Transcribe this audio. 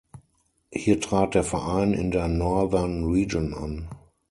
Hier trat der Verein in der Northern Region an.